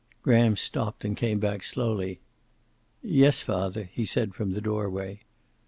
Graham stopped, and came back slowly. "Yes, father," he said, from the doorway.